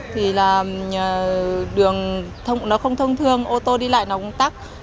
thì là đường nó không thông thương ô tô đi lại nó cũng tắc